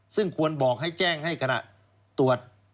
ซึ่งควรบอกให้แจ้งให้ขณะตรวจ